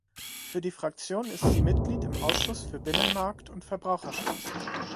Für die Fraktion ist sie Mitglied im Ausschuss für Binnenmarkt und Verbraucherschutz.